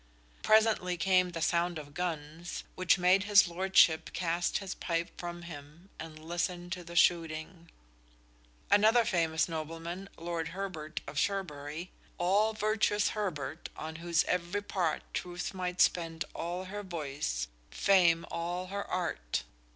Presently came the sound of guns, which "made his Lordship cast his pipe from him, and listen to the shooting." Another famous nobleman, Lord Herbert of Cherbury _All virtuous Herbert! on whose every part Truth might spend all her voice, fame all her art!